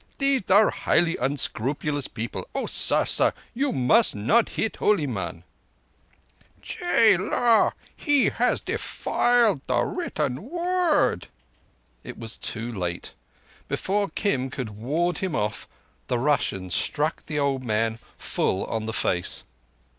They are highly unscrupulous people. Oh, sar! sar! You must not hit holyman!" "Chela! He has defiled the Written Word!" It was too late. Before Kim could ward him off, the Russian struck the old man full on the face.